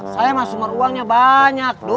saya mah sumber uangnya banyak